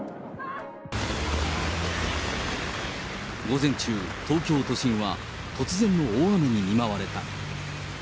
午前中、東京都心は突然の大雨に見舞われた。